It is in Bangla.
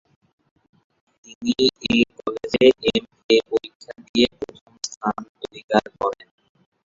তিনি এ কলেজে এমএ পরীক্ষা দিয়ে প্রথম স্থান অধিকার করেন।